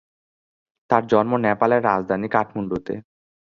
তার জন্ম নেপালের রাজধানী কাঠমান্ডুতে।